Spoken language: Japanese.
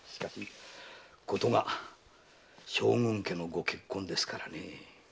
ことが将軍家のご結婚ですからねえ。